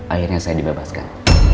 akhirnya saya dibebaskan